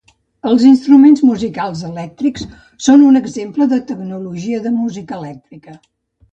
Els instruments musicals elèctrics són un exemple de tecnologia de música elèctrica.